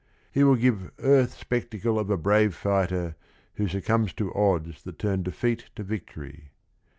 He will give "earth spectacle of a brave fighter" who succumbs to odds that turn defeat to victory."